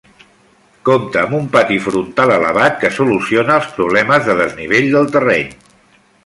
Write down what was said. Compta amb un patí frontal elevat que soluciona els problemes de desnivell del terreny.